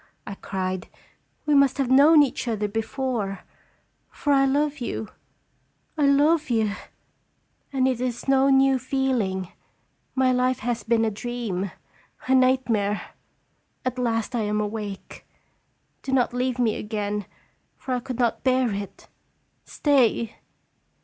I cried. "We must have known each other before, for I love you, I love you, and it is no new feeling. My life has been a dream, a nightmare at last I am awake! Do not leave me again, for I could not bear it. Stay!